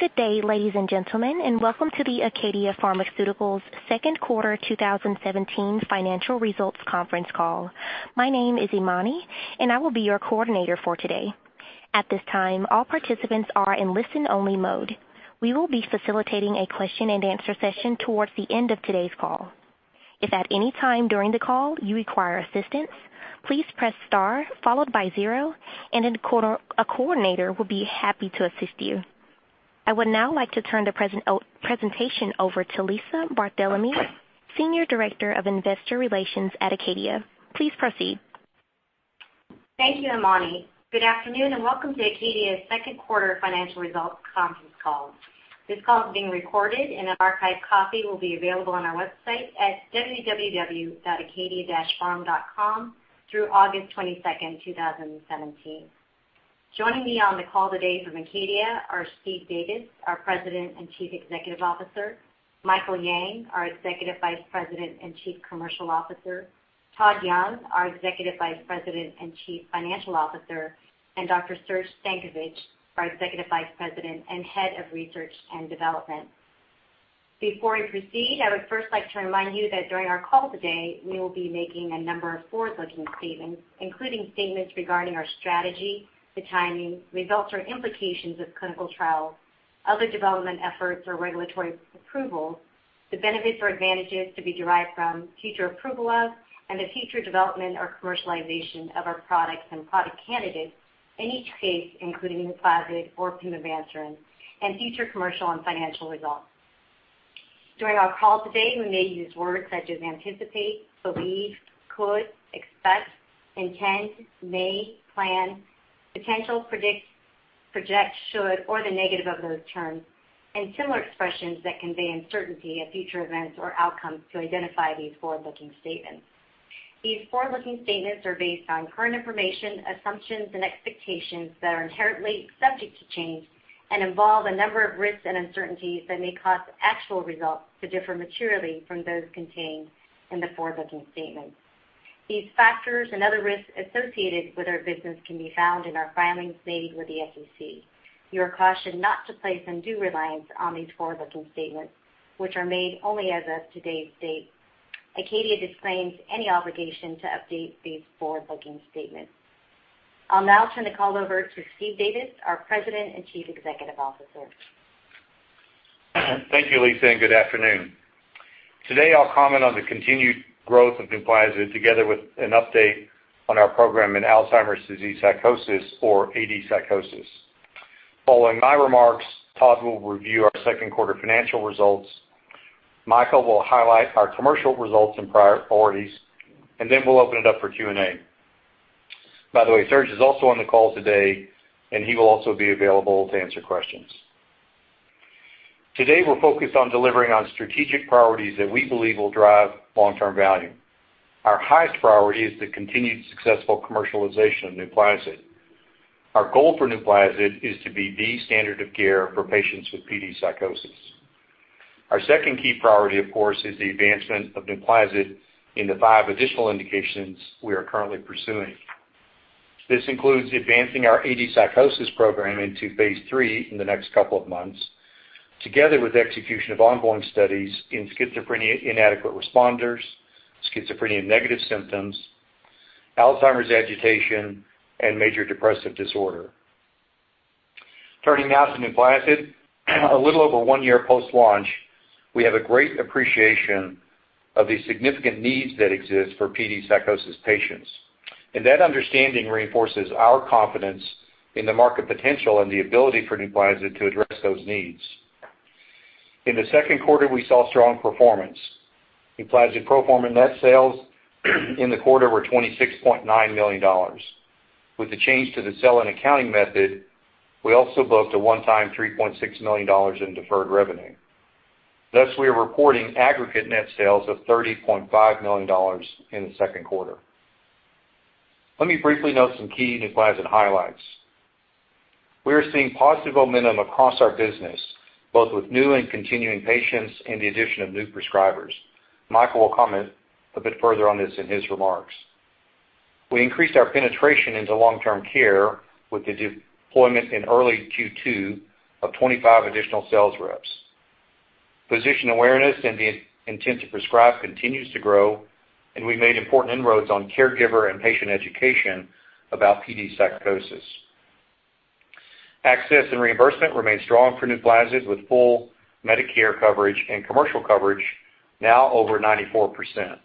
Good day, ladies and gentlemen, and welcome to the ACADIA Pharmaceuticals second quarter 2017 financial results conference call. My name is Imani, and I will be your coordinator for today. At this time, all participants are in listen-only mode. We will be facilitating a question and answer session towards the end of today's call. If at any time during the call you require assistance, please press star followed by zero, and a coordinator will be happy to assist you. I would now like to turn the presentation over to Lisa Barthelemy, Senior Director of Investor Relations at ACADIA. Please proceed. Thank you, Imani. Good afternoon, and welcome to ACADIA's second quarter financial results conference call. This call is being recorded and an archived copy will be available on our website at www.acadia-pharm.com through August 22, 2017. Joining me on the call today from ACADIA are Steve Davis, our President and Chief Executive Officer; Michael Yang, our Executive Vice President and Chief Commercial Officer; Todd Young, our Executive Vice President and Chief Financial Officer; and Dr. Serge Stankovic, our Executive Vice President and Head of Research and Development. Before we proceed, I would first like to remind you that during our call today, we will be making a number of forward-looking statements, including statements regarding our strategy, the timing, results, or implications of clinical trials, other development efforts or regulatory approvals, the benefits or advantages to be derived from future approval of and the future development or commercialization of our products and product candidates, in each case, including NUPLAZID or pimavanserin, and future commercial and financial results. During our call today, we may use words such as anticipate, believe, could, expect, intend, may, plan, potential, predict, project, should, or the negative of those terms, and similar expressions that convey uncertainty of future events or outcomes to identify these forward-looking statements. These forward-looking statements are based on current information, assumptions, and expectations that are inherently subject to change and involve a number of risks and uncertainties that may cause actual results to differ materially from those contained in the forward-looking statements. These factors and other risks associated with our business can be found in our filings made with the SEC. You are cautioned not to place undue reliance on these forward-looking statements, which are made only as of today's date. ACADIA disclaims any obligation to update these forward-looking statements. I'll now turn the call over to Steve Davis, our President and Chief Executive Officer. Thank you, Lisa, and good afternoon. Today, I'll comment on the continued growth of NUPLAZID together with an update on our program in Alzheimer's disease psychosis, or AD psychosis. Following my remarks, Todd will review our second quarter financial results. Michael will highlight our commercial results and priorities, then we'll open it up for Q&A. By the way, Serge is also on the call today, and he will also be available to answer questions. Today, we're focused on delivering on strategic priorities that we believe will drive long-term value. Our highest priority is the continued successful commercialization of NUPLAZID. Our goal for NUPLAZID is to be the standard of care for patients with PD psychosis. Our second key priority, of course, is the advancement of NUPLAZID in the five additional indications we are currently pursuing. This includes advancing our AD psychosis program into phase III in the next couple of months, together with execution of ongoing studies in schizophrenia inadequate responders, schizophrenia negative symptoms, Alzheimer's agitation, and major depressive disorder. Turning now to NUPLAZID. A little over one year post-launch, we have a great appreciation of the significant needs that exist for PD psychosis patients, and that understanding reinforces our confidence in the market potential and the ability for NUPLAZID to address those needs. In the second quarter, we saw strong performance. NUPLAZID pro forma net sales in the quarter were $26.9 million. With the change to the sell-in accounting method, we also booked a one-time $3.6 million in deferred revenue. Thus, we are reporting aggregate net sales of $30.5 million in the second quarter. Let me briefly note some key NUPLAZID highlights. We are seeing positive momentum across our business, both with new and continuing patients and the addition of new prescribers. Michael will comment a bit further on this in his remarks. We increased our penetration into long-term care with the deployment in early Q2 of 25 additional sales reps. Physician awareness and the intent to prescribe continues to grow, and we made important inroads on caregiver and patient education about PD psychosis. Access and reimbursement remains strong for NUPLAZID, with full Medicare coverage and commercial coverage now over 94%.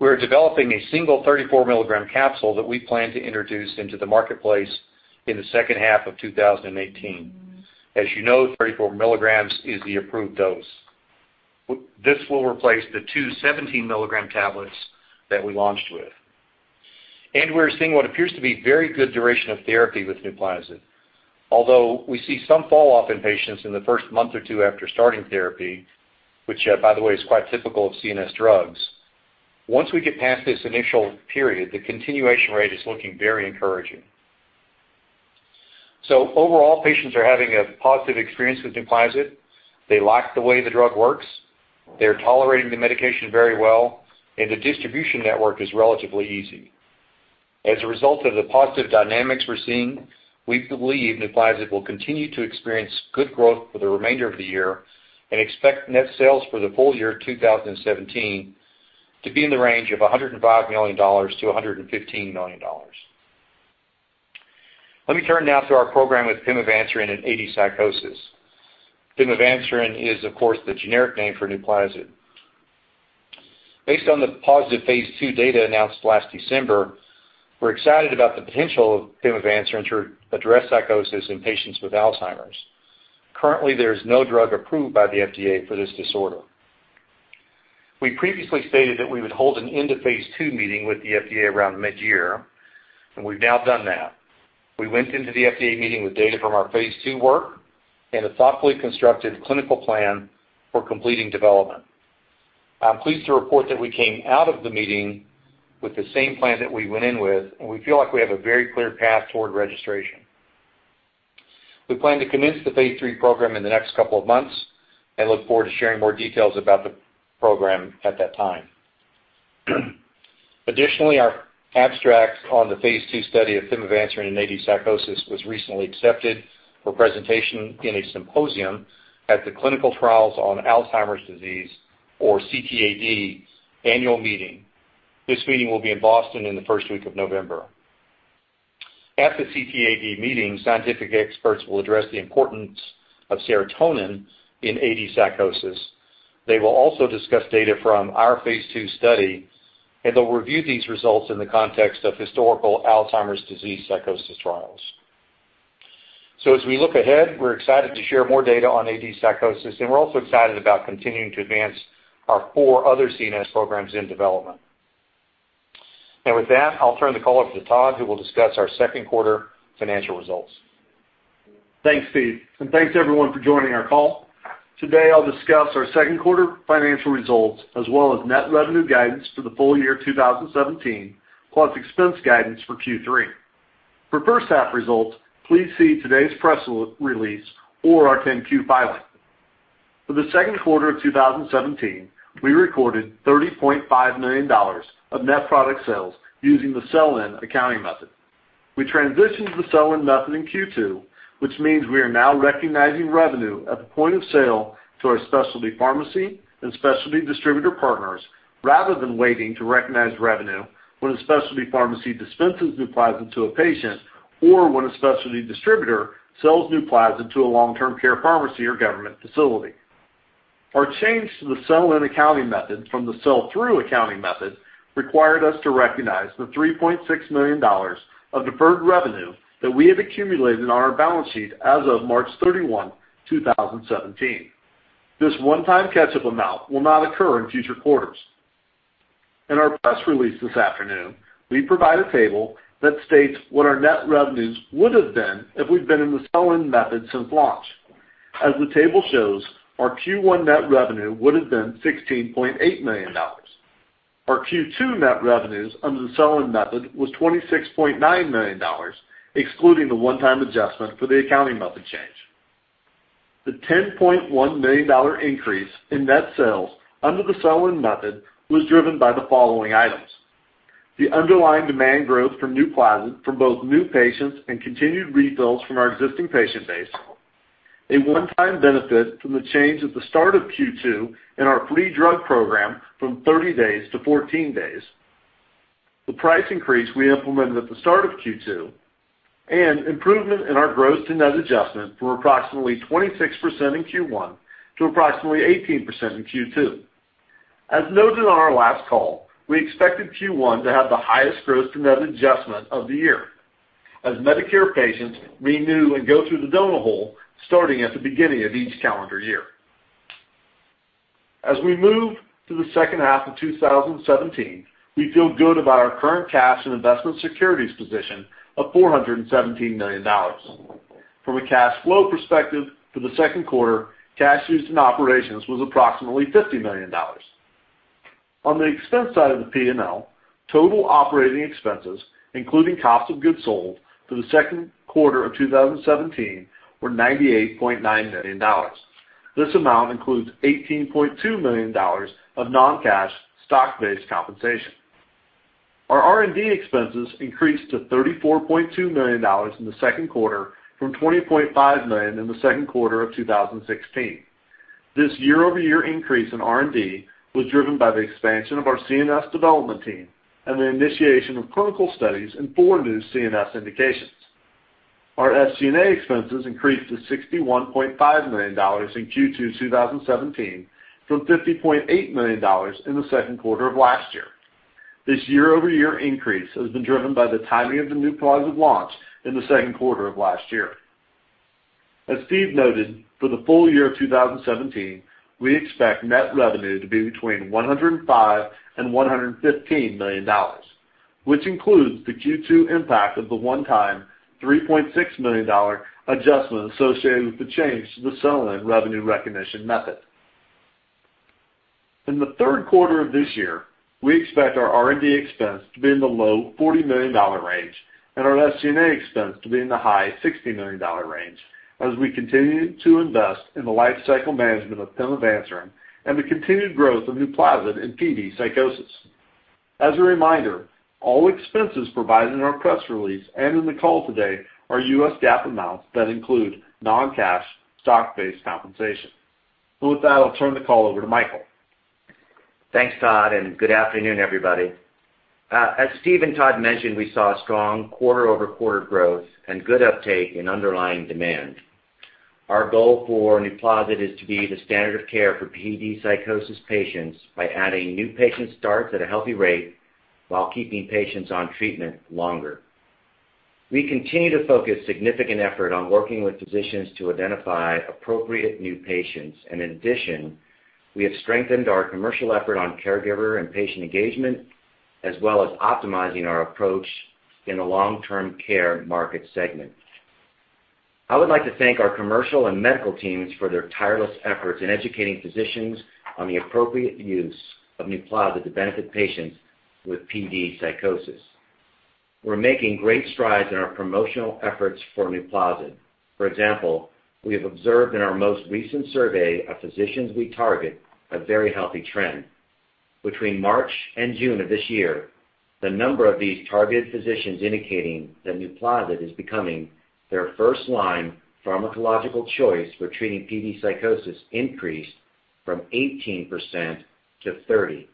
We are developing a single 34-milligram capsule that we plan to introduce into the marketplace in the second half of 2018. As you know, 34 milligrams is the approved dose. This will replace the two 17-milligram tablets that we launched with. We're seeing what appears to be very good duration of therapy with NUPLAZID. Although we see some fall off in patients in the first month or two after starting therapy, which by the way is quite typical of CNS drugs, once we get past this initial period, the continuation rate is looking very encouraging. Overall, patients are having a positive experience with NUPLAZID. They like the way the drug works. They're tolerating the medication very well, and the distribution network is relatively easy. As a result of the positive dynamics we're seeing, we believe NUPLAZID will continue to experience good growth for the remainder of the year and expect net sales for the full year 2017 to be in the range of $105 million-$115 million. Let me turn now to our program with pimavanserin in AD psychosis. Pimavanserin is, of course, the generic name for NUPLAZID. Based on the positive phase II data announced last December, we're excited about the potential of pimavanserin to address psychosis in patients with Alzheimer's. Currently, there is no drug approved by the FDA for this disorder. We previously stated that we would hold an end-of-phase II meeting with the FDA around mid-year, and we've now done that. We went into the FDA meeting with data from our phase II work and a thoughtfully constructed clinical plan for completing development. I'm pleased to report that we came out of the meeting with the same plan that we went in with, and we feel like we have a very clear path toward registration. We plan to commence the phase III program in the next couple of months and look forward to sharing more details about the program at that time. Our abstract on the phase II study of pimavanserin in AD psychosis was recently accepted for presentation in a symposium at the Clinical Trials on Alzheimer's Disease, or CTAD annual meeting. This meeting will be in Boston in the first week of November. At the CTAD meeting, scientific experts will address the importance of serotonin in AD psychosis. They will also discuss data from our phase II study, and they'll review these results in the context of historical Alzheimer's disease psychosis trials. As we look ahead, we're excited to share more data on AD psychosis, and we're also excited about continuing to advance our four other CNS programs in development. With that, I'll turn the call over to Todd, who will discuss our second quarter financial results. Thanks, Steve, and thanks, everyone, for joining our call. I'll discuss our second quarter financial results as well as net revenue guidance for the full year 2017, plus expense guidance for Q3. For first half results, please see today's press release or our 10-Q filing. For the second quarter of 2017, we recorded $30.5 million of net product sales using the sell-in accounting method. We transitioned to the sell-in method in Q2, which means we are now recognizing revenue at the point of sale to our specialty pharmacy and specialty distributor partners rather than waiting to recognize revenue when a specialty pharmacy dispenses NUPLAZID to a patient or when a specialty distributor sells NUPLAZID to a long-term care pharmacy or government facility. Our change to the sell-in accounting method from the sell-through accounting method required us to recognize the $3.6 million of deferred revenue that we had accumulated on our balance sheet as of March 31, 2017. This one-time catch-up amount will not occur in future quarters. In our press release this afternoon, we provide a table that states what our net revenues would have been if we'd been in the sell-in method since launch. As the table shows, our Q1 net revenue would have been $16.8 million. Our Q2 net revenues under the sell-in method was $26.9 million, excluding the one-time adjustment for the accounting method change. The $10.1 million increase in net sales under the sell-in method was driven by the following items: the underlying demand growth for NUPLAZID from both new patients and continued refills from our existing patient base, a one-time benefit from the change at the start of Q2 in our free drug program from 30 days to 14 days. The price increase we implemented at the start of Q2 and improvement in our gross to net adjustment from approximately 26% in Q1 to approximately 18% in Q2. As noted on our last call, we expected Q1 to have the highest growth to net adjustment of the year as Medicare patients renew and go through the donut hole starting at the beginning of each calendar year. As we move to the second half of 2017, we feel good about our current cash and investment securities position of $417 million. From a cash flow perspective for the second quarter, cash used in operations was approximately $50 million. On the expense side of the P&L, total operating expenses, including cost of goods sold for the second quarter of 2017, were $98.9 million. This amount includes $18.2 million of non-cash stock-based compensation. Our R&D expenses increased to $34.2 million in the second quarter from $20.5 million in the second quarter of 2016. This year-over-year increase in R&D was driven by the expansion of our CNS development team and the initiation of clinical studies in four new CNS indications. Our SG&A expenses increased to $61.5 million in Q2 2017 from $50.8 million in the second quarter of last year. This year-over-year increase has been driven by the timing of the NUPLAZID launch in the second quarter of last year. As Steve noted, for the full year of 2017, we expect net revenue to be between $105 and $115 million, which includes the Q2 impact of the one-time $3.6 million adjustment associated with the change to the sell-in revenue recognition method. In the third quarter of this year, we expect our R&D expense to be in the low $40 million range Our SG&A expense to be in the high $60 million range as we continue to invest in the lifecycle management of pimavanserin and the continued growth of NUPLAZID in PD psychosis. As a reminder, all expenses provided in our press release and in the call today are US GAAP amounts that include non-cash stock-based compensation. With that, I'll turn the call over to Michael. Thanks, Todd, and good afternoon, everybody. As Steve and Todd mentioned, we saw strong quarter-over-quarter growth and good uptake in underlying demand. Our goal for NUPLAZID is to be the standard of care for PDP patients by adding new patient starts at a healthy rate while keeping patients on treatment longer. We continue to focus significant effort on working with physicians to identify appropriate new patients. In addition, we have strengthened our commercial effort on caregiver and patient engagement, as well as optimizing our approach in the long-term care market segment. I would like to thank our commercial and medical teams for their tireless efforts in educating physicians on the appropriate use of NUPLAZID to benefit patients with PDP. We're making great strides in our promotional efforts for NUPLAZID. For example, we have observed in our most recent survey of physicians we target a very healthy trend. Between March and June of this year, the number of these targeted physicians indicating that NUPLAZID is becoming their first-line pharmacological choice for treating PDP increased from 18% to 30%.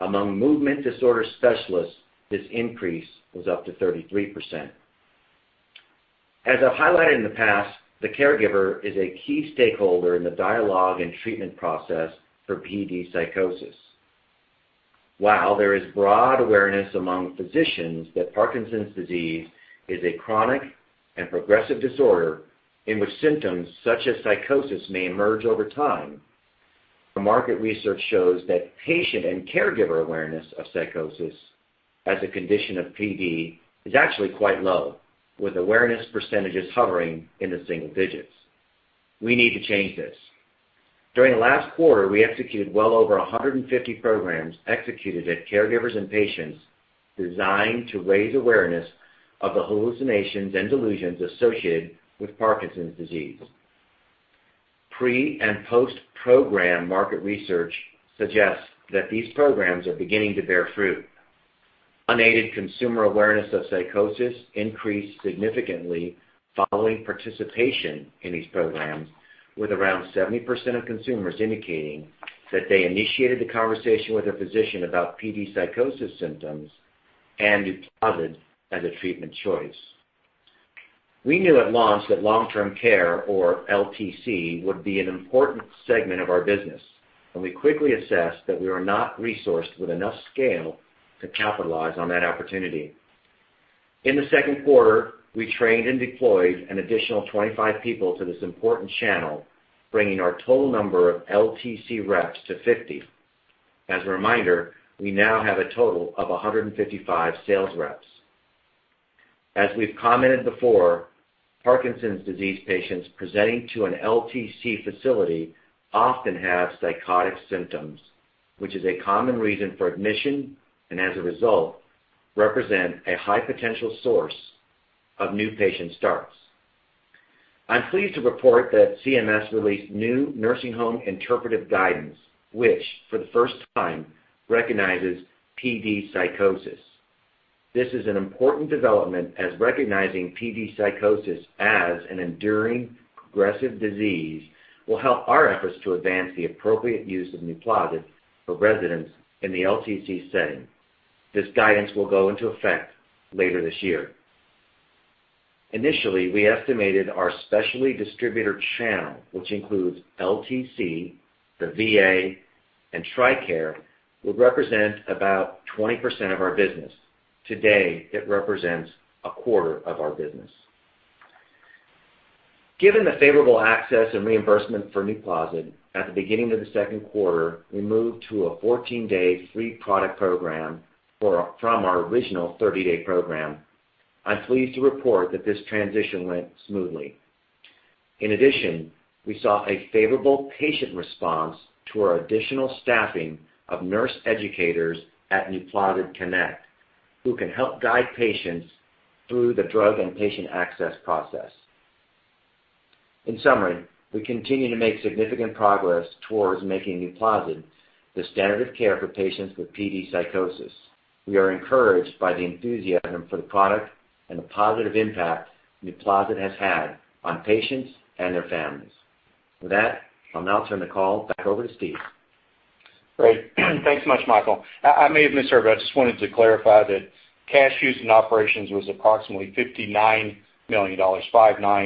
Among movement disorder specialists, this increase was up to 33%. As I highlighted in the past, the caregiver is a key stakeholder in the dialogue and treatment process for PDP. While there is broad awareness among physicians that Parkinson's disease is a chronic and progressive disorder in which symptoms such as psychosis may emerge over time, the market research shows that patient and caregiver awareness of psychosis as a condition of PD is actually quite low, with awareness percentages hovering in the single digits. We need to change this. During the last quarter, we executed well over 150 programs executed at caregivers and patients designed to raise awareness of the hallucinations and delusions associated with Parkinson's disease. Pre and post-program market research suggests that these programs are beginning to bear fruit. Unaided consumer awareness of psychosis increased significantly following participation in these programs, with around 70% of consumers indicating that they initiated the conversation with their physician about PDP symptoms and NUPLAZID as a treatment choice. We knew at launch that long-term care, or LTC, would be an important segment of our business, and we quickly assessed that we were not resourced with enough scale to capitalize on that opportunity. In the second quarter, we trained and deployed an additional 25 people to this important channel, bringing our total number of LTC reps to 50. As a reminder, we now have a total of 155 sales reps. As we've commented before, Parkinson's disease patients presenting to an LTC facility often have psychotic symptoms, which is a common reason for admission, and as a result, represent a high potential source of new patient starts. I'm pleased to report that CMS released new nursing home interpretive guidance, which for the first time recognizes PDP. This is an important development, as recognizing PDP as an enduring progressive disease will help our efforts to advance the appropriate use of NUPLAZID for residents in the LTC setting. This guidance will go into effect later this year. Initially, we estimated our specialty distributor channel, which includes LTC, the VA, and TRICARE, would represent about 20% of our business. Today, it represents a quarter of our business. Given the favorable access and reimbursement for NUPLAZID at the beginning of the second quarter, we moved to a 14-day free product program from our original 30-day program. I'm pleased to report that this transition went smoothly. In addition, we saw a favorable patient response to our additional staffing of nurse educators at Acadia Connect, who can help guide patients through the drug and patient access process. In summary, we continue to make significant progress towards making NUPLAZID the standard of care for patients with PD psychosis. We are encouraged by the enthusiasm for the product and the positive impact NUPLAZID has had on patients and their families. With that, I'll now turn the call back over to Steve. Great. Thanks so much, Michael. I may have missed it, but I just wanted to clarify that cash use in operations was approximately $59 million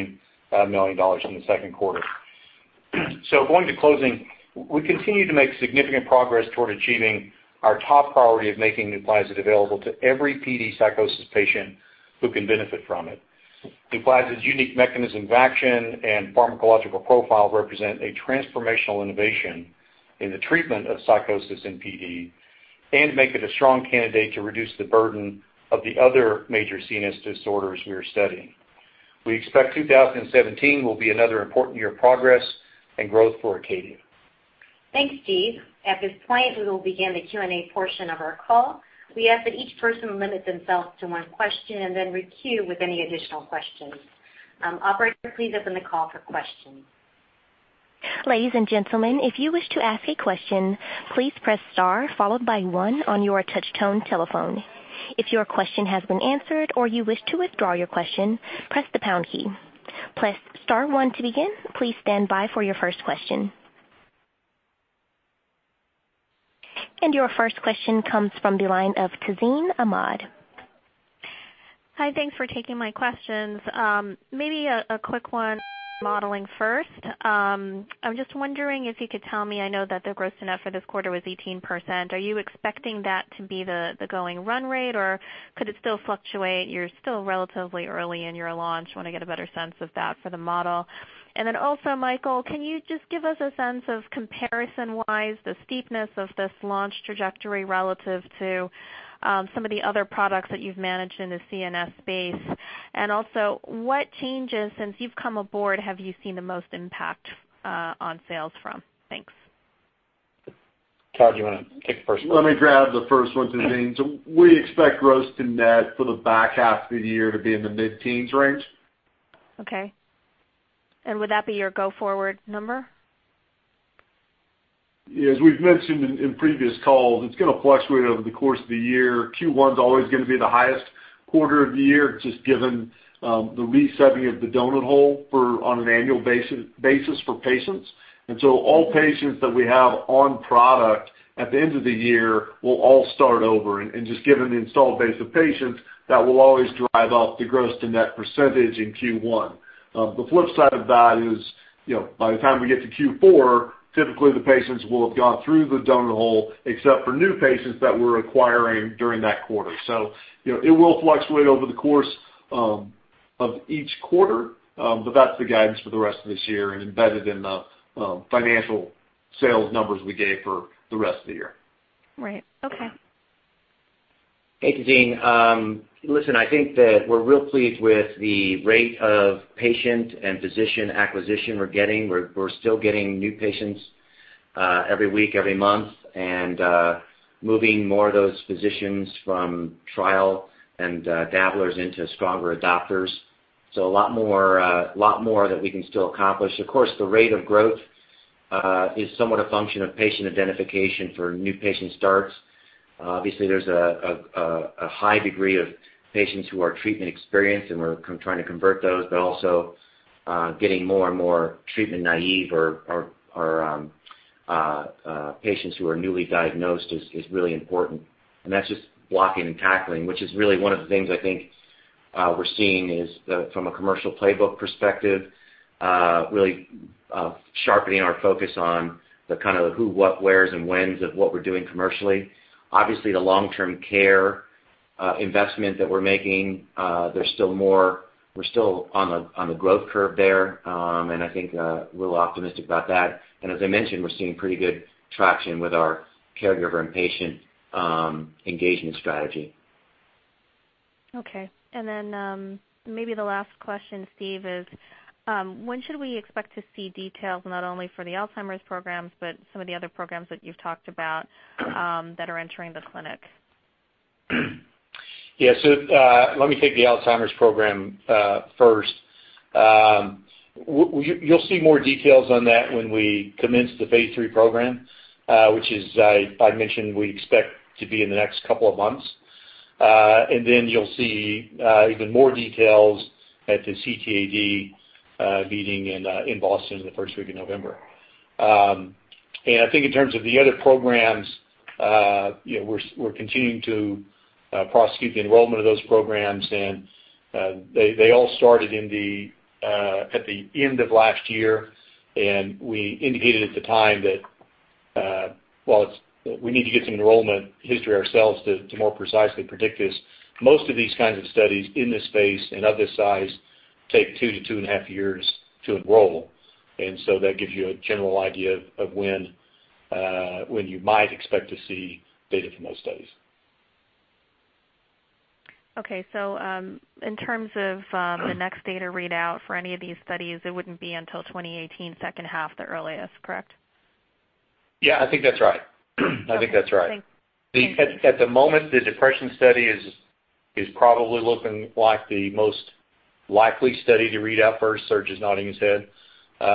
in the second quarter. Going to closing, we continue to make significant progress toward achieving our top priority of making NUPLAZID available to every PD psychosis patient who can benefit from it. NUPLAZID's unique mechanism of action and pharmacological profile represent a transformational innovation in the treatment of psychosis in PD and make it a strong candidate to reduce the burden of the other major CNS disorders we are studying. We expect 2017 will be another important year of progress and growth for ACADIA. Thanks, Steve. At this point, we will begin the Q&A portion of our call. We ask that each person limit themselves to one question and then re-queue with any additional questions. Operator, please open the call for questions. Ladies and gentlemen, if you wish to ask a question, please press star followed by one on your touch-tone telephone. If your question has been answered or you wish to withdraw your question, press the pound key. Press star one to begin. Please stand by for your first question. Your first question comes from the line of Tazeen Ahmad. Hi, thanks for taking my questions. Maybe a quick one modeling first. I'm just wondering if you could tell me, I know that the gross-to-net for this quarter was 18%. Are you expecting that to be the going run rate, or could it still fluctuate? You're still relatively early in your launch. Want to get a better sense of that for the model. Also, Michael, can you just give us a sense of comparison-wise, the steepness of this launch trajectory relative to some of the other products that you've managed in the CNS space? Also, what changes, since you've come aboard, have you seen the most impact on sales from? Thanks. Todd, do you want to take the first one? Let me grab the first one, Tazeen. We expect gross-to-net for the back half of the year to be in the mid-teens range. Okay. Would that be your go-forward number? Yeah. As we've mentioned in previous calls, it's going to fluctuate over the course of the year. Q1's always going to be the highest quarter of the year, just given the resetting of the donut hole on an annual basis for patients. All patients that we have on product at the end of the year will all start over. Just given the installed base of patients, that will always drive up the gross to net percentage in Q1. The flip side of that is by the time we get to Q4, typically the patients will have gone through the donut hole, except for new patients that we're acquiring during that quarter. It will fluctuate over the course of each quarter, but that's the guidance for the rest of this year and embedded in the financial sales numbers we gave for the rest of the year. Right. Okay. Hey, Tazeen. Listen, I think that we're real pleased with the rate of patient and physician acquisition we're getting. We're still getting new patients every week, every month, and moving more of those physicians from trial and dabblers into stronger adopters. A lot more that we can still accomplish. Of course, the rate of growth is somewhat a function of patient identification for new patient starts. Obviously, there's a high degree of patients who are treatment experienced, and we're trying to convert those, but also getting more and more treatment naive or patients who are newly diagnosed is really important. That's just blocking and tackling, which is really one of the things I think we're seeing is from a commercial playbook perspective, really sharpening our focus on the kind of who, what, where's and when's of what we're doing commercially. Obviously, the long-term care investment that we're making, we're still on the growth curve there. I think we're optimistic about that. As I mentioned, we're seeing pretty good traction with our caregiver and patient engagement strategy. Okay. Then maybe the last question, Steve, is when should we expect to see details, not only for the Alzheimer's programs, but some of the other programs that you've talked about that are entering the clinic? Yeah. Let me take the Alzheimer's program first. You'll see more details on that when we commence the phase III program, which as I mentioned, we expect to be in the next couple of months. Then you'll see even more details at the CTAD meeting in Boston the first week of November. I think in terms of the other programs, we're continuing to prosecute the enrollment of those programs, they all started at the end of last year, we indicated at the time that while we need to get some enrollment history ourselves to more precisely predict this, most of these kinds of studies in this space and of this size take two to two and a half years to enroll. That gives you a general idea of when you might expect to see data from those studies. Okay, in terms of the next data readout for any of these studies, it wouldn't be until 2018, second half the earliest, correct? Yeah, I think that's right. I think that's right. Thanks. At the moment, the depression study is probably looking like the most likely study to read out first. Serge is nodding his head. We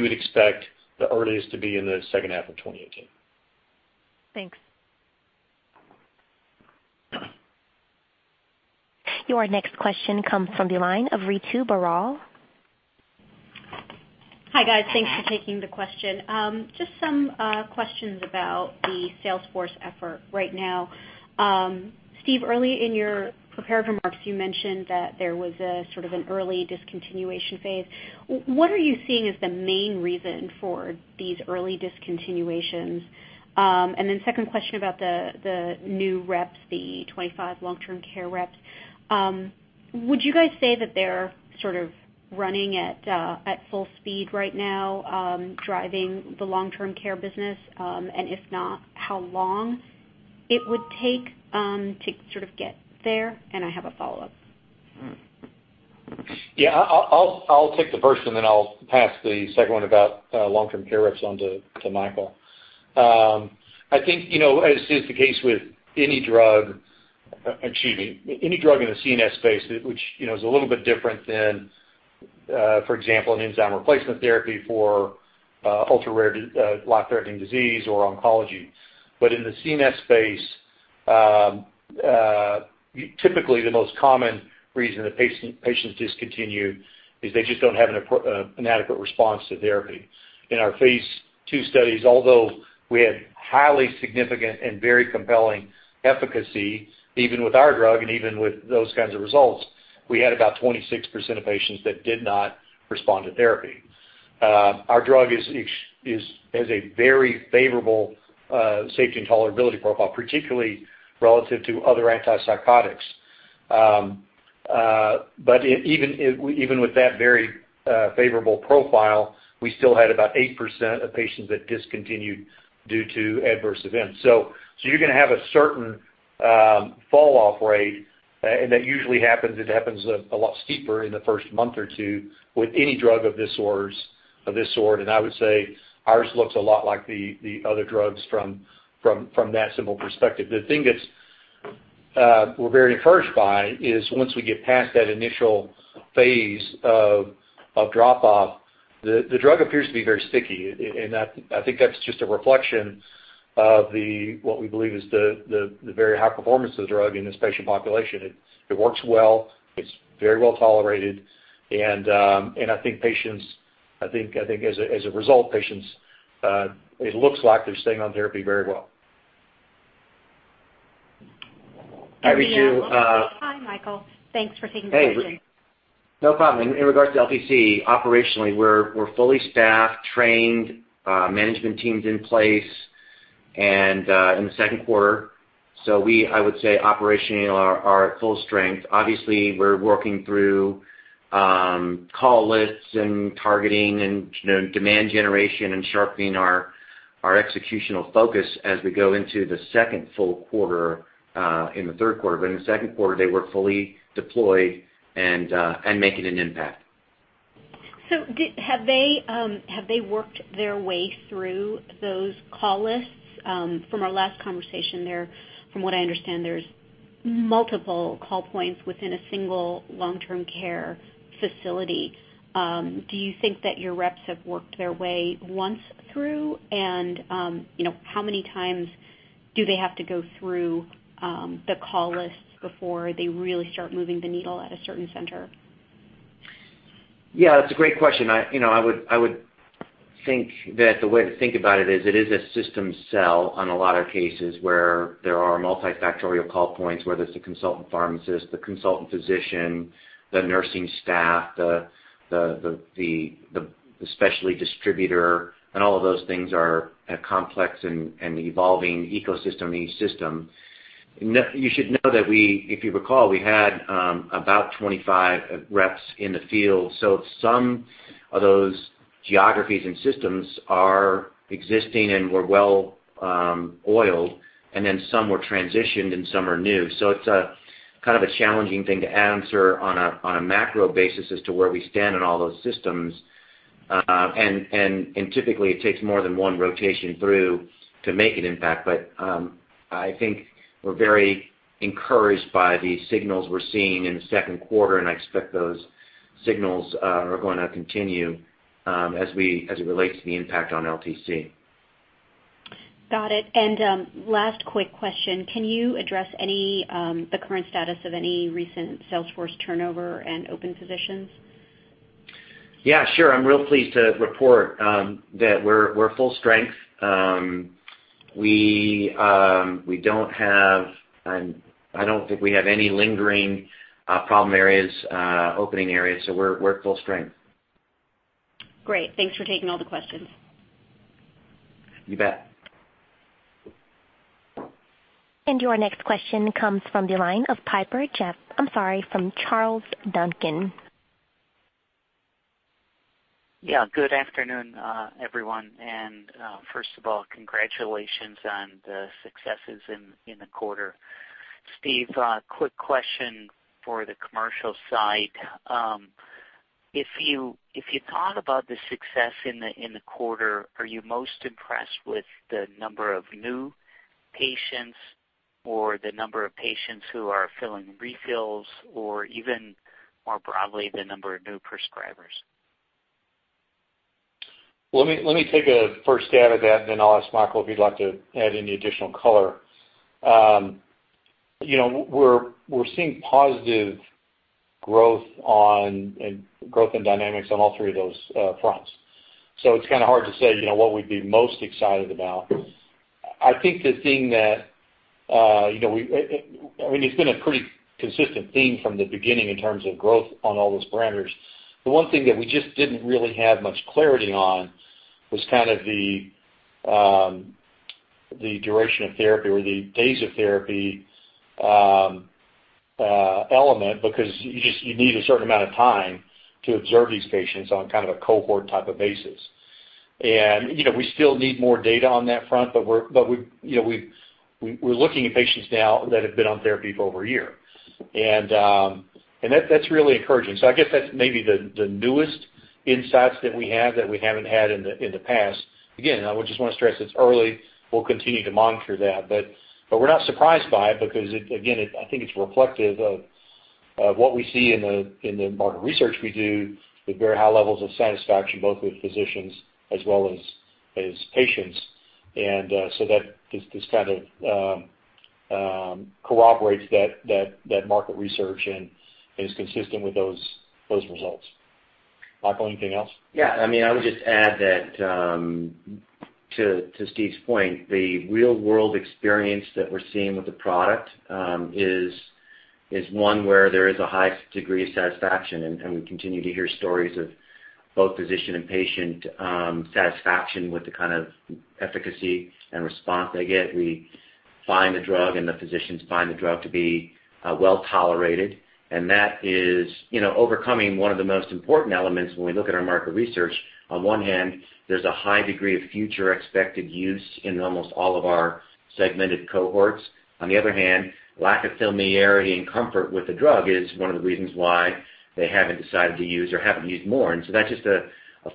would expect the earliest to be in the second half of 2018. Thanks. Your next question comes from the line of Ritu Baral. Hi, guys. Thanks for taking the question. Just some questions about the sales force effort right now. Steve, early in your prepared remarks, you mentioned that there was a sort of an early discontinuation phase. What are you seeing as the main reason for these early discontinuations? Then second question about the new reps, the 25 long-term care reps. Would you guys say that they're sort of running at full speed right now, driving the long-term care business? If not, how long it would take to sort of get there? I have a follow-up. Yeah, I'll take the first one, then I'll pass the second one about long-term care reps onto Michael. I think, as is the case with any drug in the CNS space, which is a little bit different than, for example, an enzyme replacement therapy for ultra-rare life-threatening disease or oncology. In the CNS space, typically the most common reason that patients discontinue is they just don't have an adequate response to therapy. In our phase II studies, although we had highly significant and very compelling efficacy, even with our drug and even with those kinds of results, we had about 26% of patients that did not respond to therapy. Our drug has a very favorable safety and tolerability profile, particularly relative to other antipsychotics. Even with that very favorable profile, we still had about 8% of patients that discontinued due to adverse events. You're going to have a certain fall-off rate, and that usually happens a lot steeper in the first month or two with any drug of this sort. I would say ours looks a lot like the other drugs from that simple perspective. The thing that we're very encouraged by is once we get past that initial phase of drop-off, the drug appears to be very sticky, and I think that's just a reflection of what we believe is the very high performance of the drug in this patient population. It works well, it's very well-tolerated, and I think, as a result, patients, it looks like they're staying on therapy very well. Hi, Ritu. Hi, Michael. Thanks for taking the question. No problem. In regards to LTC, operationally, we're fully staffed, trained, management team's in place in the second quarter. We, I would say, operationally are at full strength. Obviously, we're working through call lists and targeting and demand generation and sharpening our executional focus as we go into the second full quarter and the third quarter. In the second quarter, they were fully deployed and making an impact. Have they worked their way through those call lists? From our last conversation, from what I understand, there's multiple call points within a single long-term care facility. Do you think that your reps have worked their way once through? How many times do they have to go through the call lists before they really start moving the needle at a certain center? Yeah, that's a great question. I would think that the way to think about it is it is a system sell on a lot of cases where there are multifactorial call points, whether it's the consultant pharmacist, the consultant physician, the nursing staff, the specialty distributor, and all of those things are a complex and evolving ecosystem in each system. You should know that we, if you recall, we had about 25 reps in the field. Some of those geographies and systems are existing and were well oiled, and then some were transitioned and some are new. It's kind of a challenging thing to answer on a macro basis as to where we stand on all those systems. Typically, it takes more than one rotation through to make an impact. I think we're very encouraged by the signals we're seeing in the second quarter, and I expect those signals are going to continue as it relates to the impact on LTC. Got it. Last quick question. Can you address the current status of any recent sales force turnover and open positions? Yeah, sure. I'm real pleased to report that we're full strength. I don't think we have any lingering problem areas, opening areas, we're at full strength. Great. Thanks for taking all the questions. You bet. Your next question comes from the line of Piper Jaffray. I'm sorry, from Charles Duncan. Good afternoon everyone. First of all, congratulations on the successes in the quarter. Steve, quick question for the commercial side. If you thought about the success in the quarter, are you most impressed with the number of new patients or the number of patients who are filling refills or even more broadly, the number of new prescribers? Let me take a first stab at that. Then I'll ask Michael if he'd like to add any additional color. We're seeing positive growth in dynamics on all three of those fronts. It's kind of hard to say what we'd be most excited about. I think the thing that it's been a pretty consistent theme from the beginning in terms of growth on all those parameters. The one thing that we just didn't really have much clarity on was kind of the duration of therapy or the days of therapy element, because you need a certain amount of time to observe these patients on kind of a cohort type of basis. We still need more data on that front, but we're looking at patients now that have been on therapy for over a year. That's really encouraging. I guess that's maybe the newest insights that we have that we haven't had in the past. Again, I just want to stress it's early. We'll continue to monitor that. We're not surprised by it because, again, I think it's reflective of what we see in the market research we do with very high levels of satisfaction, both with physicians as well as patients. This kind of corroborates that market research and is consistent with those results. Michael, anything else? Yeah. I would just add that, to Steve's point, the real-world experience that we're seeing with the product is one where there is a high degree of satisfaction. We continue to hear stories of both physician and patient satisfaction with the kind of efficacy and response they get. We find the drug. The physicians find the drug to be well-tolerated. That is overcoming one of the most important elements when we look at our market research. On one hand, there's a high degree of future expected use in almost all of our segmented cohorts. On the other hand, lack of familiarity and comfort with the drug is one of the reasons why they haven't decided to use or haven't used more. That's just a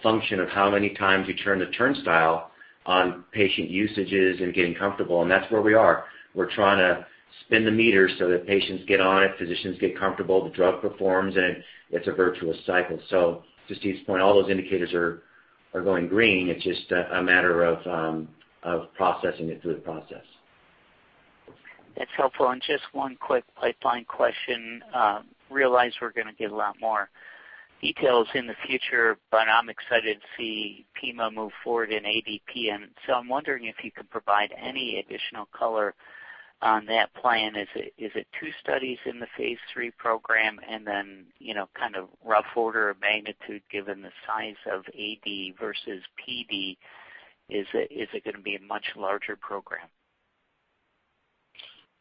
function of how many times you turn the turnstile on patient usages and getting comfortable, and that's where we are. We're trying to spin the meter so that patients get on it, physicians get comfortable, the drug performs, and it's a virtuous cycle. To Steve's point, all those indicators are going green. It's just a matter of processing it through the process. That's helpful. Just one quick pipeline question. Realize we're going to get a lot more details in the future, but I'm excited to see pimavanserin move forward in ADP. I'm wondering if you could provide any additional color on that plan. Is it two studies in the phase III program? Then, kind of rough order of magnitude, given the size of AD versus PD, is it going to be a much larger program?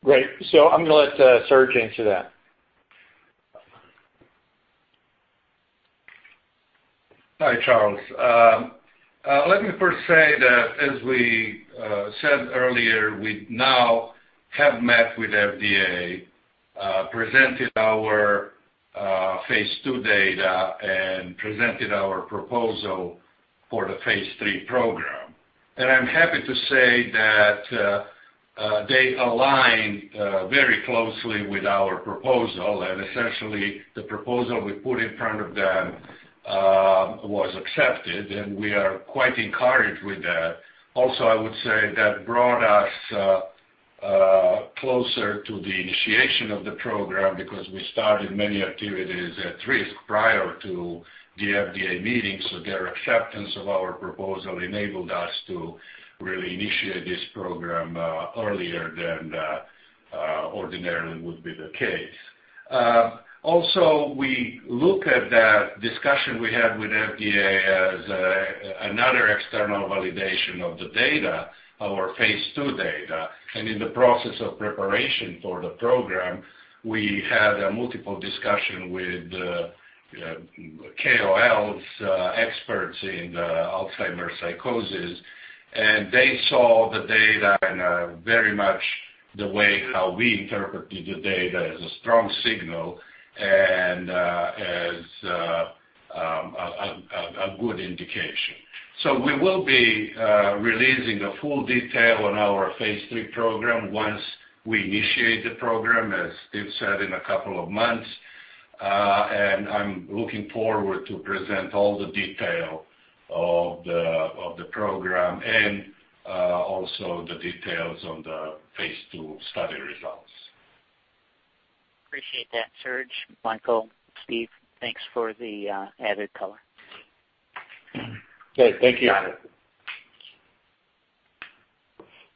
Great. I'm going to let Serge answer that. Hi, Charles. Let me first say that, as we said earlier, we now have met with FDA, presented our phase II data, and presented our proposal for the phase III program. I'm happy to say that they align very closely with our proposal. Essentially, the proposal we put in front of them was accepted, and we are quite encouraged with that. Also, I would say that brought us closer to the initiation of the program because we started many activities at risk prior to the FDA meeting. Their acceptance of our proposal enabled us to really initiate this program earlier than that ordinarily would be the case. Also, we look at that discussion we had with FDA as another external validation of the data, our phase II data. In the process of preparation for the program, we had a multiple discussion with KOLs, experts in Alzheimer's disease psychosis, and they saw the data in very much the way how we interpreted the data as a strong signal and as a good indication. We will be releasing the full detail on our phase III program once we initiate the program, as Steve said, in a couple of months. I'm looking forward to present all the detail of the program and also the details on the phase II study results. Appreciate that, Serge, Michael, Steve. Thanks for the added color. Great. Thank you. Got it.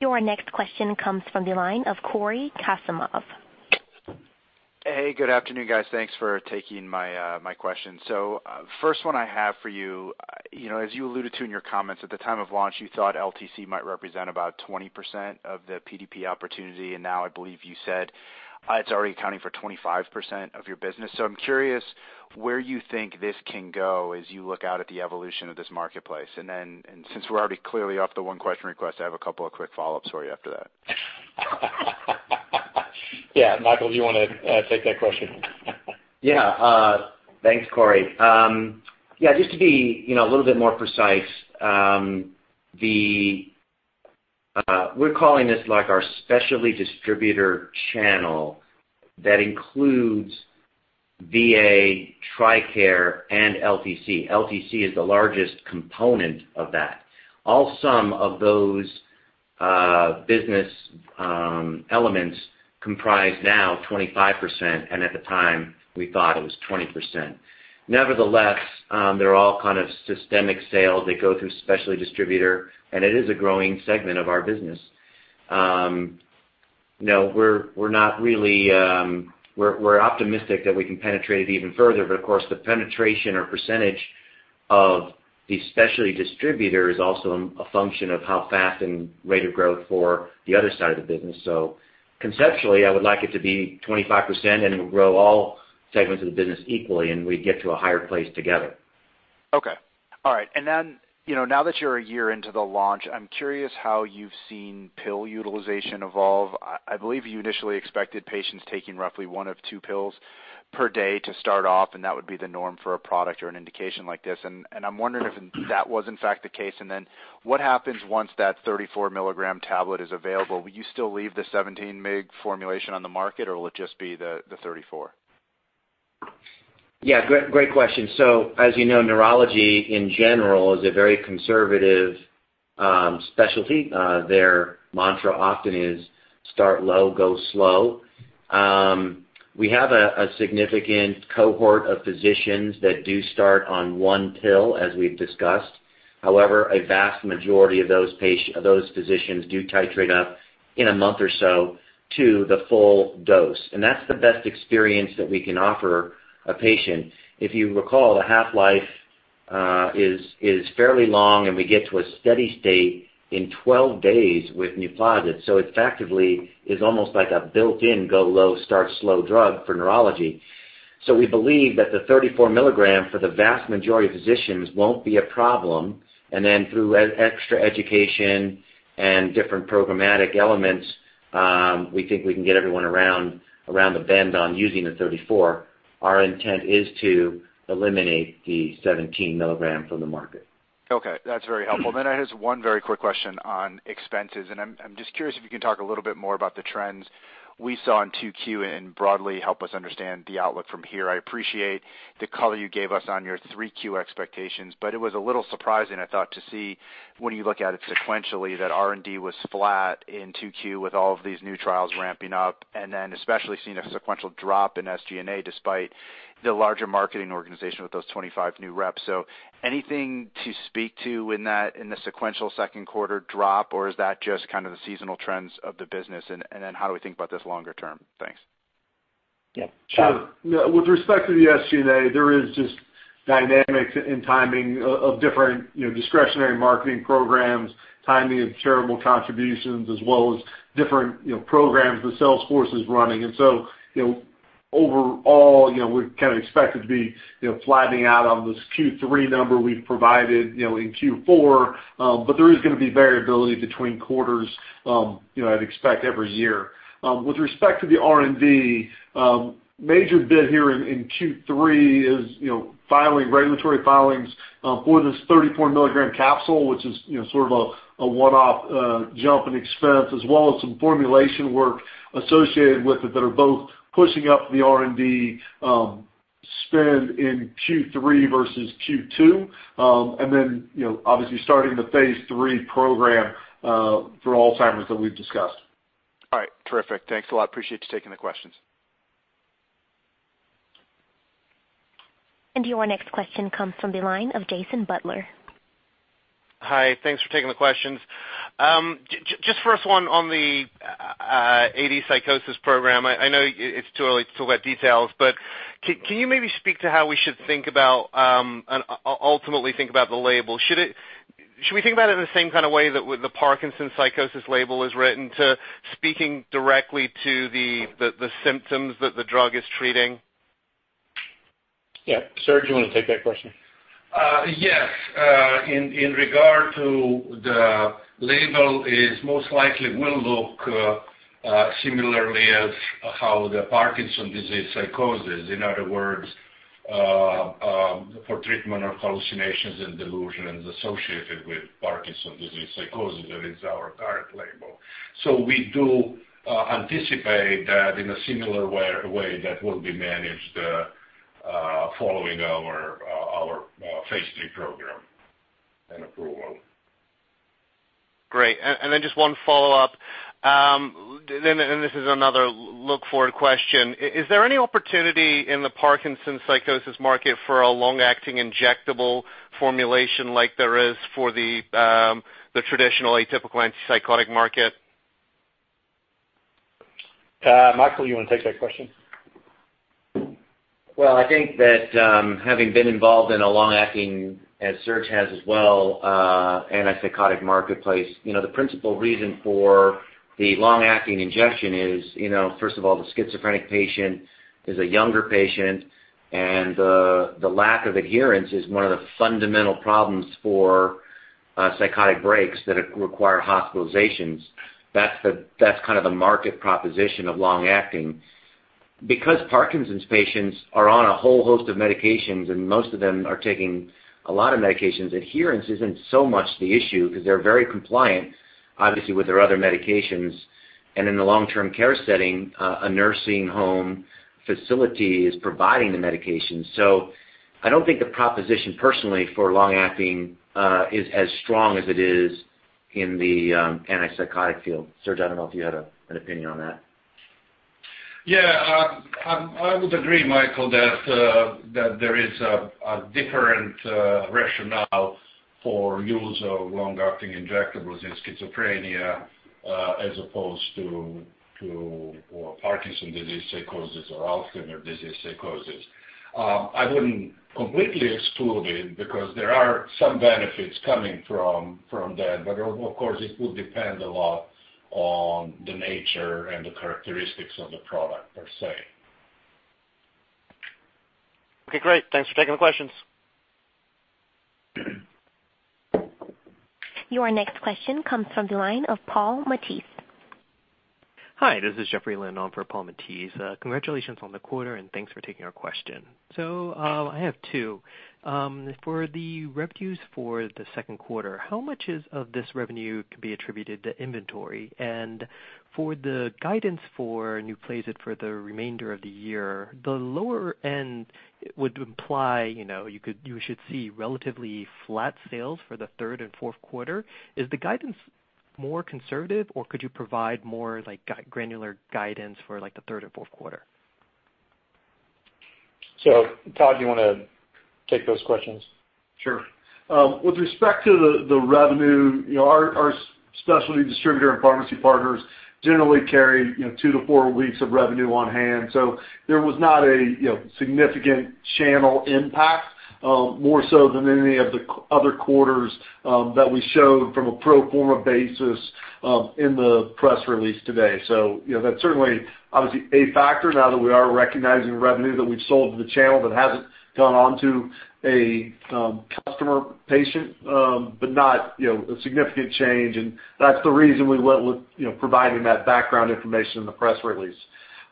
Your next question comes from the line of Cory Kasimov. Hey, good afternoon, guys. Thanks for taking my question. First one I have for you, as you alluded to in your comments, at the time of launch, you thought LTC might represent about 20% of the PDP opportunity, and now I believe you said it's already accounting for 25% of your business. I'm curious where you think this can go as you look out at the evolution of this marketplace. And since we're already clearly off the one question request, I have a couple of quick follow-ups for you after that. Yeah. Michael, do you want to take that question? Yeah. Thanks, Cory. Yeah, just to be a little bit more precise, we're calling this our specialty distributor channel that includes VA, TRICARE, and LTC. LTC is the largest component of that. All sum of those business elements comprise now 25%, and at the time, we thought it was 20%. Nevertheless, they're all kind of systemic sales. They go through a specialty distributor, and it is a growing segment of our business. We're optimistic that we can penetrate it even further, but of course, the penetration or percentage of the specialty distributor is also a function of how fast and rate of growth for the other side of the business. Conceptually, I would like it to be 25% and grow all segments of the business equally, and we'd get to a higher place together. Okay. All right. Now that you're a year into the launch, I'm curious how you've seen pill utilization evolve. I believe you initially expected patients taking roughly one of two pills per day to start off, and that would be the norm for a product or an indication like this. I'm wondering if that was in fact the case, then what happens once that 34 milligram tablet is available. Will you still leave the 17 mg formulation on the market, or will it just be the 34? Yeah, great question. As you know, neurology in general is a very conservative specialty. Their mantra often is start low, go slow. We have a significant cohort of physicians that do start on one pill, as we've discussed. However, a vast majority of those physicians do titrate up in a month or so to the full dose. That's the best experience that we can offer a patient. If you recall, the half-life is fairly long, and we get to a steady state in 12 days with NUPLAZID. It effectively is almost like a built-in go low, start slow drug for neurology. We believe that the 34 milligram for the vast majority of physicians won't be a problem. Through extra education and different programmatic elements, we think we can get everyone around the bend on using the 34. Our intent is to eliminate the 17 milligram from the market. Okay. That's very helpful. I just one very quick question on expenses, I'm just curious if you can talk a little bit more about the trends we saw in 2Q and broadly help us understand the outlook from here. I appreciate the color you gave us on your 3Q expectations, it was a little surprising, I thought, to see when you look at it sequentially, that R&D was flat in 2Q with all of these new trials ramping up. Especially seeing a sequential drop in SG&A despite the larger marketing organization with those 25 new reps. Anything to speak to in the sequential second quarter drop, or is that just the seasonal trends of the business? How do we think about this longer term? Thanks. Yeah, Cory. With respect to the SG&A, there is just dynamics in timing of different discretionary marketing programs, timing of charitable contributions, as well as different programs the sales force is running. Overall, we kind of expected to be flattening out on this Q3 number we've provided in Q4. There is going to be variability between quarters, I'd expect every year. With respect to the R&D, major bit here in Q3 is regulatory filings for this 34 milligram capsule, which is sort of a one-off jump in expense, as well as some formulation work associated with it that are both pushing up the R&D spend in Q3 versus Q2. Obviously starting the phase III program for Alzheimer's that we've discussed. All right. Terrific. Thanks a lot. Appreciate you taking the questions. Your next question comes from the line of Jason Butler. Hi. Thanks for taking the questions. Just first one on the AD psychosis program. I know it's too early to talk about details, can you maybe speak to how we should think about and ultimately think about the label? Should we think about it in the same kind of way that the Parkinson's psychosis label is written to speaking directly to the symptoms that the drug is treating? Yeah. Serge, do you want to take that question? Yes. In regard to the label is most likely will look similarly as how the Parkinson's disease psychosis. In other words, for treatment of hallucinations and delusions associated with Parkinson's disease psychosis, that is our current label. We do anticipate that in a similar way that will be managed following our phase III program and approval. Great. Just one follow-up, and this is another look-forward question. Is there any opportunity in the Parkinson's psychosis market for a long-acting injectable formulation like there is for the traditional atypical antipsychotic market? Michael, you want to take that question? Well, I think that having been involved in a long-acting, as Serge has as well, antipsychotic marketplace, the principal reason for the long-acting injection is, first of all, the schizophrenic patient is a younger patient, the lack of adherence is one of the fundamental problems for psychotic breaks that require hospitalizations. That's kind of the market proposition of long-acting. Parkinson's patients are on a whole host of medications, and most of them are taking a lot of medications, adherence isn't so much the issue because they're very compliant, obviously, with their other medications. In the long-term care setting, a nursing home facility is providing the medication. I don't think the proposition personally for long-acting is as strong as it is in the antipsychotic field. Serge, I don't know if you had an opinion on that. Yeah. I would agree, Michael, that there is a different rationale for use of long-acting injectables in schizophrenia as opposed to Parkinson's disease psychosis or Alzheimer's disease psychosis. I wouldn't completely exclude it because there are some benefits coming from that. Of course, it will depend a lot on the nature and the characteristics of the product, per se. Okay, great. Thanks for taking the questions. Your next question comes from the line of Paul Matteis. Hi, this is Jeffrey Lind on for Paul Matteis. Congratulations on the quarter, and thanks for taking our question. I have two. For the revenues for the second quarter, how much of this revenue could be attributed to inventory? For the guidance for NUPLAZID for the remainder of the year, the lower end would imply you should see relatively flat sales for the third and fourth quarter. Is the guidance more conservative, or could you provide more granular guidance for the third or fourth quarter? Todd, do you want to take those questions? Sure. With respect to the revenue, our specialty distributor and pharmacy partners generally carry two to four weeks of revenue on hand. There was not a significant channel impact, more so than any of the other quarters that we showed from a pro forma basis in the press release today. That's certainly, obviously a factor now that we are recognizing revenue that we've sold to the channel that hasn't gone on to a customer patient, but not a significant change. That's the reason we went with providing that background information in the press release.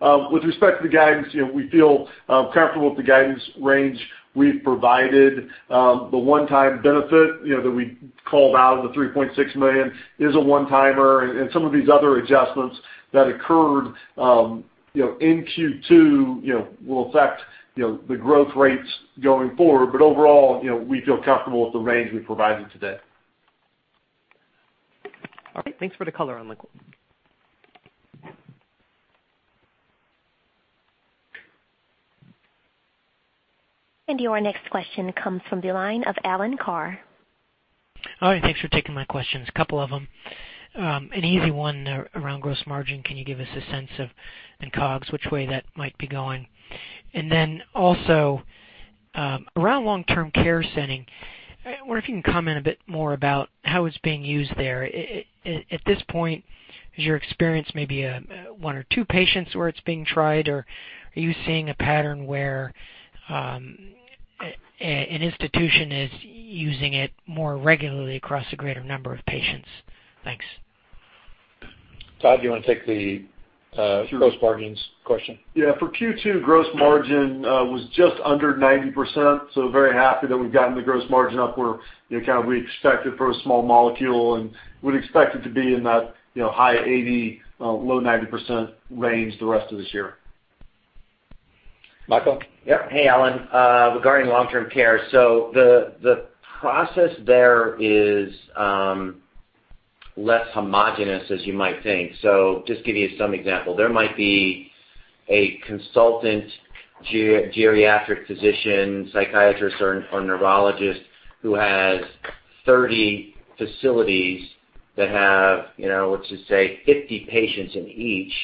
With respect to the guidance, we feel comfortable with the guidance range we've provided. The one-time benefit that we called out of the $3.6 million is a one-timer, and some of these other adjustments that occurred in Q2 will affect the growth rates going forward. Overall, we feel comfortable with the range we've provided today. All right. Thanks for the color on the quarter. Your next question comes from the line of Alan Carr. All right. Thanks for taking my questions, a couple of them. An easy one around gross margin, can you give us a sense of the COGS, which way that might be going? Then also, around long-term care setting, I wonder if you can comment a bit more about how it's being used there. At this point, has your experience maybe one or two patients where it's being tried, or are you seeing a pattern where an institution is using it more regularly across a greater number of patients? Thanks. Todd, do you want to take the gross margins question? Yeah. For Q2, gross margin was just under 90%. Very happy that we've gotten the gross margin up where we expect it for a small molecule, and we'd expect it to be in that high 80%, low 90% range the rest of this year. Michael? Yep. Hey, Alan. Regarding long-term care, the process there is less homogeneous, as you might think. Just give you some example. There might be a consultant geriatric physician, psychiatrist, or neurologist who has 30 facilities that have, let's just say, 50 patients in each.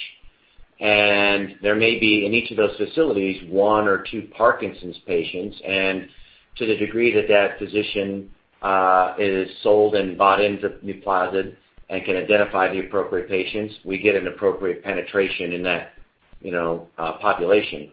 There may be, in each of those facilities, one or two Parkinson's patients. To the degree that that physician is sold and bought into NUPLAZID and can identify the appropriate patients, we get an appropriate penetration in that population.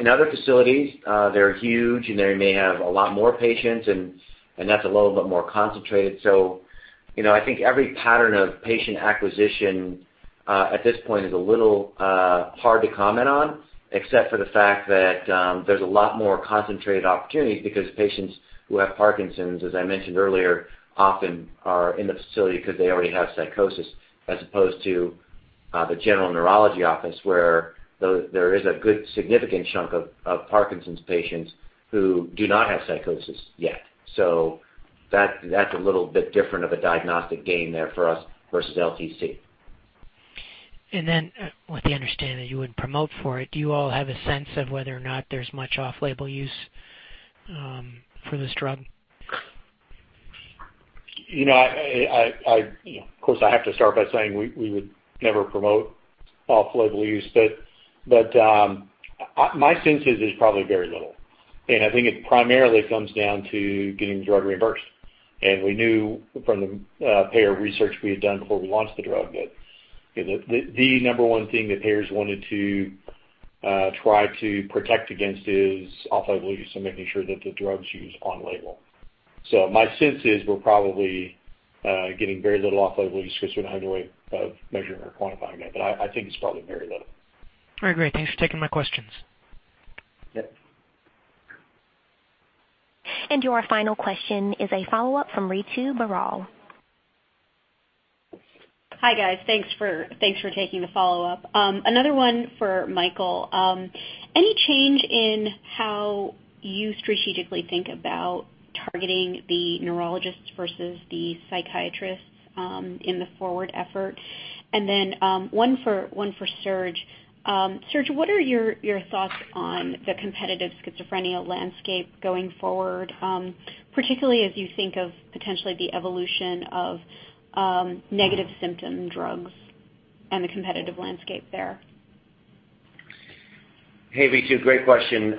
In other facilities, they're huge, and they may have a lot more patients, and that's a little bit more concentrated. I think every pattern of patient acquisition at this point is a little hard to comment on, except for the fact that there's a lot more concentrated opportunities because patients who have Parkinson's, as I mentioned earlier, often are in the facility because they already have psychosis, as opposed to the general neurology office, where there is a good significant chunk of Parkinson's patients who do not have psychosis yet. That's a little bit different of a diagnostic game there for us versus LTC. With the understanding that you wouldn't promote for it, do you all have a sense of whether or not there's much off-label use for this drug? Of course, I have to start by saying we would never promote off-label use. My sense is there's probably very little. I think it primarily comes down to getting the drug reimbursed. We knew from the payer research we had done before we launched the drug that the number one thing that payers wanted to try to protect against is off-label use and making sure that the drug's used on label. My sense is we're probably getting very little off-label use because we don't have any way of measuring or quantifying that. I think it's probably very little. All right, great. Thanks for taking my questions. Yep. Your final question is a follow-up from Ritu Baral. Hi, guys. Thanks for taking the follow-up. Another one for Michael. Any change in how you strategically think about targeting the neurologists versus the psychiatrists in the forward effort? Then one for Serge. Serge, what are your thoughts on the competitive schizophrenia landscape going forward, particularly as you think of potentially the evolution of negative symptom drugs and the competitive landscape there? Hey, Ritu. Great question.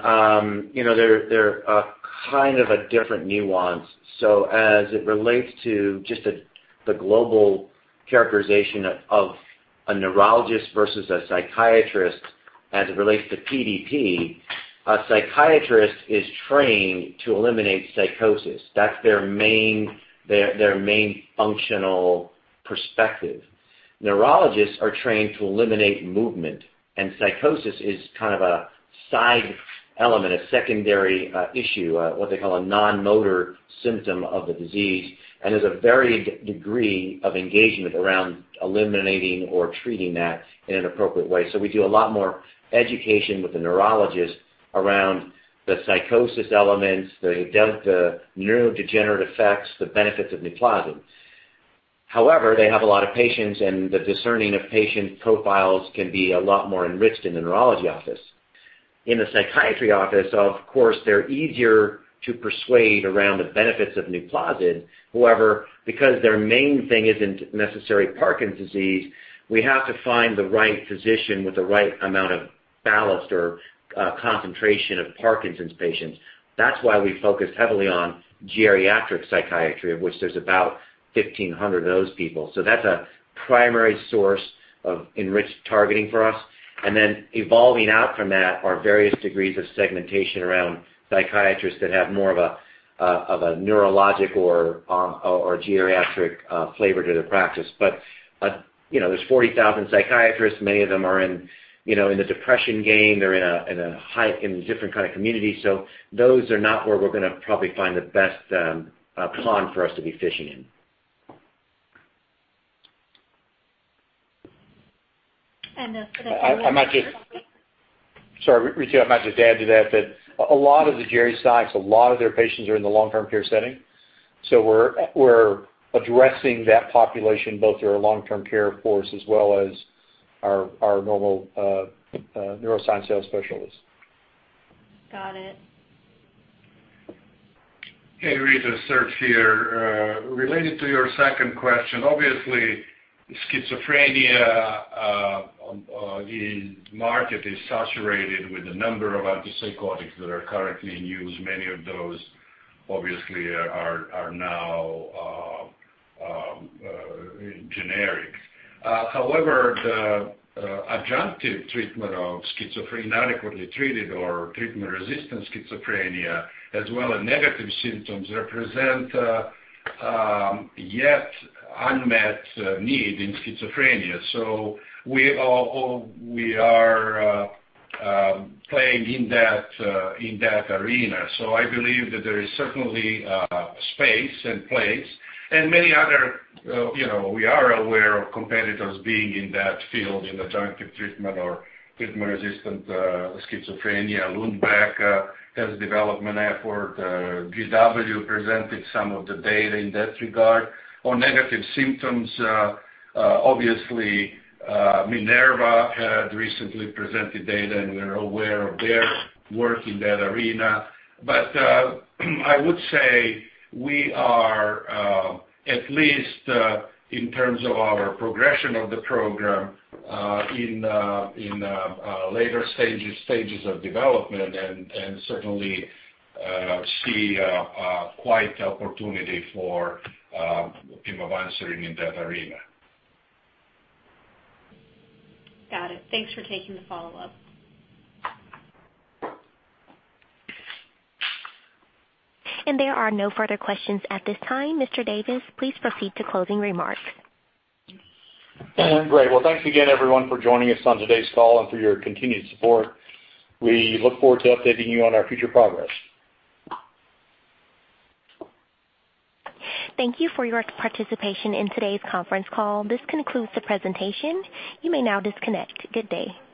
There are kind of a different nuance. As it relates to just the global characterization of a neurologist versus a psychiatrist as it relates to PDP. A psychiatrist is trained to eliminate psychosis. That's their main functional perspective. Neurologists are trained to eliminate movement, and psychosis is kind of a side element, a secondary issue, what they call a non-motor symptom of the disease, and there's a varied degree of engagement around eliminating or treating that in an appropriate way. We do a lot more education with the neurologist around the psychosis elements, the neurodegenerative effects, the benefits of NUPLAZID. They have a lot of patients, and the discerning of patient profiles can be a lot more enriched in the neurology office. In the psychiatry office, of course, they're easier to persuade around the benefits of NUPLAZID. Because their main thing isn't necessarily Parkinson's disease, we have to find the right physician with the right amount of ballast or concentration of Parkinson's patients. That's why we focus heavily on geriatric psychiatry, of which there's about 1,500 of those people. That's a primary source of enriched targeting for us. Evolving out from that are various degrees of segmentation around psychiatrists that have more of a neurologic or geriatric flavor to their practice. There's 40,000 psychiatrists. Many of them are in the depression game. They're in a different kind of community. Those are not where we're going to probably find the best pond for us to be fishing in. For that follow-up, Serge? Sorry, Ritu, I might just add to that a lot of the geri-psychs, a lot of their patients are in the long-term care setting. We're addressing that population both through our long-term care force as well as our normal neuroscience sales specialists. Got it. Hey, Ritu. Serge here. Related to your second question, obviously, schizophrenia, the market is saturated with a number of antipsychotics that are currently in use. Many of those obviously are now generic. However, the adjunctive treatment of schizophrenia, inadequately treated or treatment-resistant schizophrenia, as well as negative symptoms, represent a yet unmet need in schizophrenia. We are playing in that arena. I believe that there is certainly space and place. We are aware of competitors being in that field, in adjunctive treatment or treatment-resistant schizophrenia. Lundbeck has a development effort. GW presented some of the data in that regard. On negative symptoms, obviously, Minerva had recently presented data, and we are aware of their work in that arena. I would say we are, at least in terms of our progression of the program, in later stages of development and certainly see quite the opportunity for pimavanserin in that arena. Got it. Thanks for taking the follow-up. There are no further questions at this time. Mr. Davis, please proceed to closing remarks. Great. Well, thanks again, everyone, for joining us on today's call and for your continued support. We look forward to updating you on our future progress. Thank you for your participation in today's conference call. This concludes the presentation. You may now disconnect. Good day.